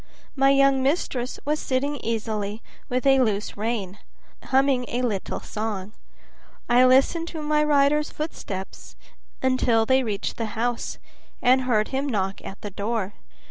My young mistress was sitting easily with a loose rein, humming a little song. I listened to my rider's footsteps until they reached the house, and heard him knock at the door.